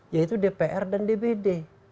yaitu dpr dan dbd